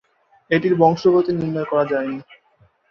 এটির বংশগতি নির্ণয় করা যায়নি।